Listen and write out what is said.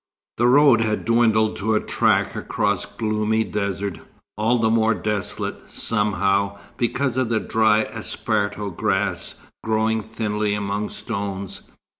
The road had dwindled to a track across gloomy desert, all the more desolate, somehow, because of the dry asparto grass growing thinly among stones.